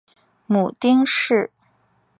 母丁氏。